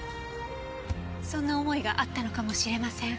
そんな思いがあったのかもしれません。